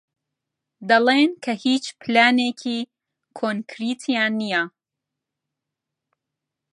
دەڵێن کە هیچ پلانێکی کۆنکریتییان نییە.